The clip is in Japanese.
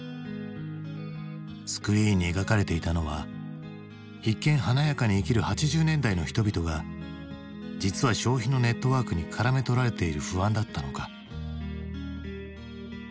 スクリーンに描かれていたのは一見華やかに生きる８０年代の人々が実は消費のネットワークにからめ捕られている不安だったのか。